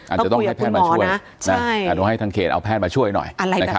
อาจจะต้องให้แพทย์มาช่วยดูให้ทางเขตเอาแพทย์มาช่วยหน่อย